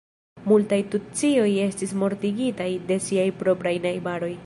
Multaj tucioj estis mortigitaj de siaj propraj najbaroj.